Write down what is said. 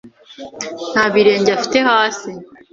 Nta birenge afite hasi.